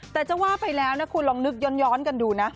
แต่จะว่าไปแล้วนะคุณลองนึกย้อนกันดูนะ